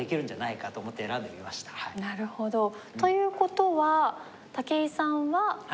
なるほど。という事は武井さんは。